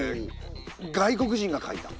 外国人が書いた。